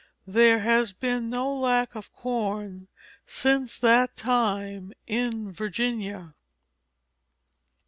There has been no lack of corn since that time in Virginia.